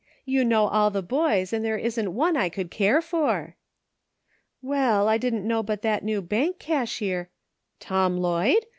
You know all the boys, and there isn't one I could care for." " Well, I didn't know but that new bank cashier—" " Tom Lloyd